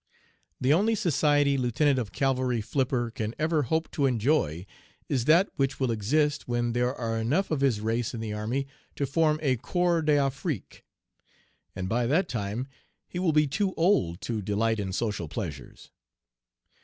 The only society Lieutenant of Cavalry Flipper can ever hope to enjoy is that which will exist when there are enough of his race in the army to form a corps d'Afrique, and by that time he will be too old to delight in social pleasures.